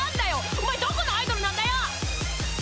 お前どこのアイドルなんだよー！